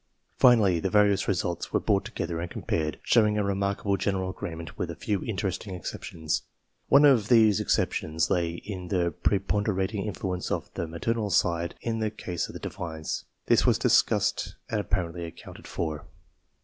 Finally the various results were brought together and compared, showing a remarkable general agreement, with a few interesting exceptions. One of these exceptions lay in the preponderating influence of the maternal side in the case of the divines ; this was discussed and apparently accounted for.